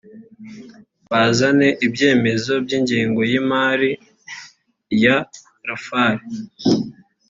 bazane ibyambere by ingengo y imari ya rfl